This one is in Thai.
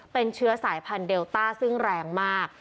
เป็นเชื้อสายพันธุเดลต้าซึ่งแรงมาก